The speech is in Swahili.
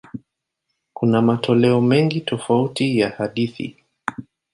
Kuna matoleo mengi tofauti ya hadithi.